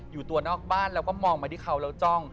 อยู่ตัวนอกบ้านแล้วก็มองมาที่เขาแล้วจ้อง